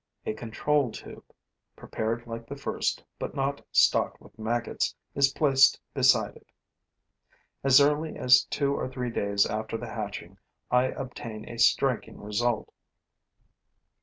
A control tube, prepared like the first, but not stocked with maggots, is placed beside it. As early as two or three days after the hatching, I obtain a striking result.